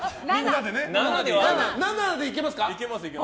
７でいけますか？